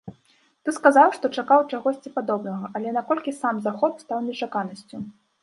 Ты сказаў, што чакаў чагосьці падобнага, але наколькі сам захоп стаў нечаканасцю?